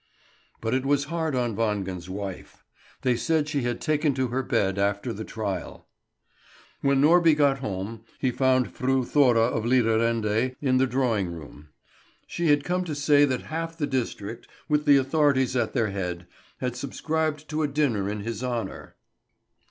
But it was hard on Wangen's wife. They said she had taken to her bed after the trial. When Norby got home he found Fru Thora of Lidarende in the drawing room. She had come to say that half the district, with the authorities at their head, had subscribed to a dinner in his honour.